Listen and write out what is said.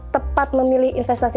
tepat memilih investasi